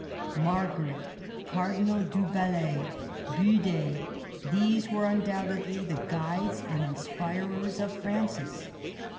Margaret, Cardinal du Bellay, Bude, — these were undoubtedly the guides and inspirers of Francis.